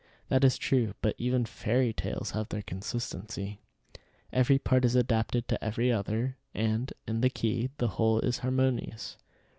That is true, but even fairy tales have their consistency. Every part is adapted to every other, and, in the key, the whole is harmonious.